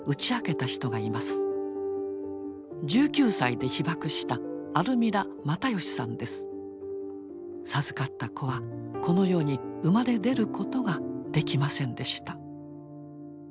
１９歳で被ばくした授かった子はこの世に生まれ出ることができませんでした。